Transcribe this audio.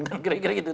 kan kira kira gitu